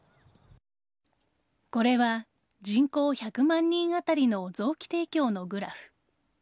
これは人口１００万人当たりの臓器提供のグラフ。